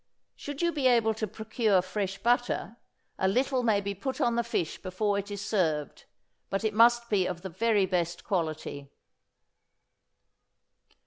Should you be able to procure fresh butter, a little may be put on the fish before it is served, but it must be of the very best quality.